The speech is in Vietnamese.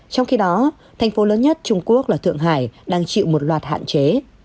trong khi đó thành phố lớn nhất trung quốc là thượng hải đang chịu một loạt hạn chế